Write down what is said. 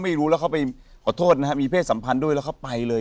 ไม่รู้แล้วเขาไปขอโทษนะฮะมีเพศสัมพันธ์ด้วยแล้วเขาไปเลย